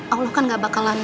allah kan gak bakalan